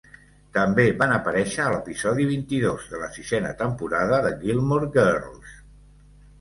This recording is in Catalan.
També van aparèixer a l'episodi vint-i-dos de la sisena temporada de "Gilmore Girls".